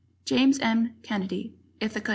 James M. Kennedy, Ithaca, N.